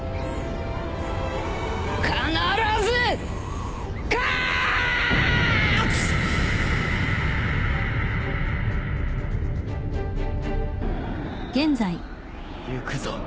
必ず勝つ！！行くぞ。